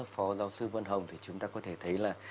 phó giáo sư vân hồng thì chúng ta có thể thấy là